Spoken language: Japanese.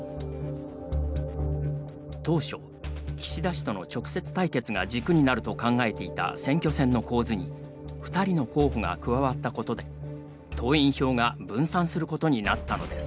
当初、岸田氏との直接対決が軸になると考えていた選挙戦の構図に２人の候補が加わったことで党員票が分散することになったのです。